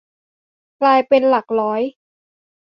กลายเป็นหลักร้อย